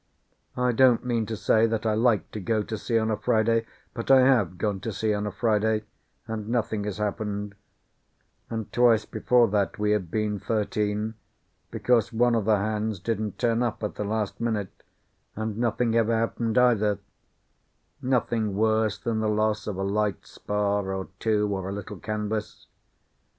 I don't mean to say that I like to go to sea on a Friday, but I have gone to sea on a Friday, and nothing has happened; and twice before that we have been thirteen, because one of the hands didn't turn up at the last minute, and nothing ever happened either nothing worse than the loss of a light spar or two, or a little canvas.